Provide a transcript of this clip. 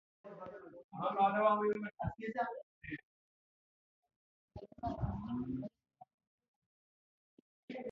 Sy toespraak het nie die kiesers oorreed om vir hom te stem nie.